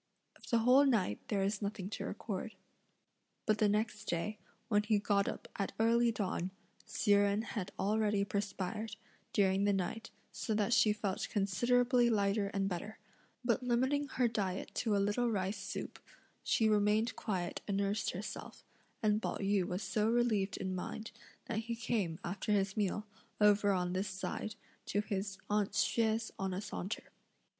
Of the whole night there is nothing to record. But the next day, when he got up at early dawn, Hsi Jen had already perspired, during the night, so that she felt considerably lighter and better; but limiting her diet to a little rice soup, she remained quiet and nursed herself, and Pao yü was so relieved in mind that he came, after his meal, over on this side to his aunt Hsüeh's on a saunter.